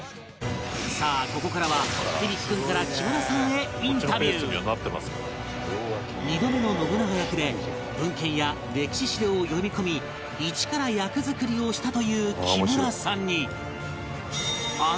さあここからは響大君から２度目の信長役で文献や歴史資料を読み込み一から役作りをしたという木村さんに